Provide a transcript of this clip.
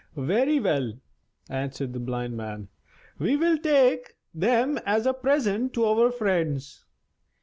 "Very well," answered the Blind Man; "we will take them as a present to our friends."